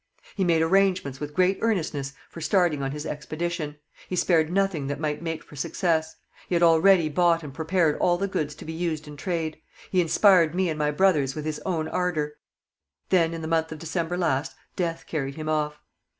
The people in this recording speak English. He made arrangements with great earnestness for starting on his expedition; he spared nothing that might make for success; he had already bought and prepared all the goods to be used in trade; he inspired me and my brothers with his own ardour. Then in the month of December last death carried him off.